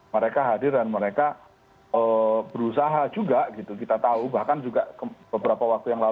mereka hadir dan mereka berusaha juga gitu kita tahu bahkan juga beberapa waktu yang lalu